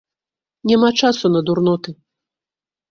Няма часу на дурноты.